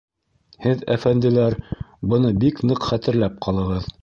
Һеҙ, әфәнделәр, быны бик ныҡ хәтерләп ҡалығыҙ.